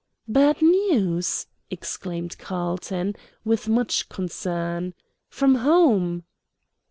"Bad news!" exclaimed Carlton, with much concern. "From home?"